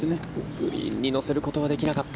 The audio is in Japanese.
グリーンに乗せることができなかった。